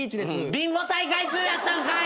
ビンゴ大会中やったんかい！